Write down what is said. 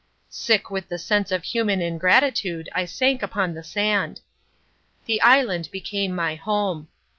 Sick with the sense of human ingratitude I sank upon the sand. The island became my home.